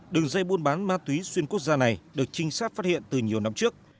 đường dây buôn bán ma túy xuyên quốc gia này được trinh sát phát hiện từ nhiều năm trước